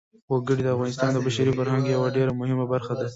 وګړي د افغانستان د بشري فرهنګ یوه ډېره مهمه برخه ده.